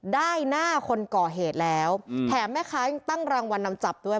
ได้หน้าคนก่อเหตุแล้วแถมแม่ค้ายังตั้งรางวัลนำจับด้วย